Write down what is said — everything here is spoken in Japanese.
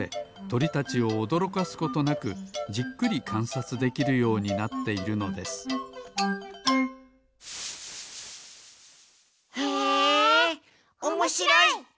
とりたちをおどろかすことなくじっくりかんさつできるようになっているのですへえおもしろい！